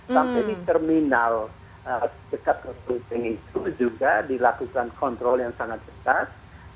sampai di terminal dekat puting itu juga dilakukan kontrol yang sangat ketat